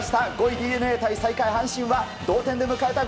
５位ＤｅＮＡ対最下位、阪神は同点で迎えた